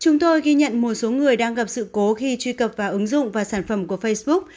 chúng tôi ghi nhận một số người đang gặp sự cố khi truy cập vào ứng dụng và sản phẩm của facebook